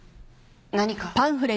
何か？